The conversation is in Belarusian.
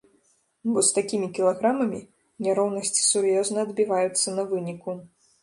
Бо з такімі кілаграмамі няроўнасці сур'ёзна адбіваюцца на выніку.